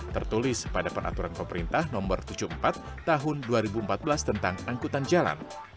tertulis pada peraturan pemerintah nomor tujuh puluh empat tahun dua ribu empat belas tentang angkutan jalan